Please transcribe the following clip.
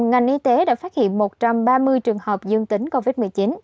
ngành y tế đã phát hiện một trăm ba mươi trường hợp dương tính covid một mươi chín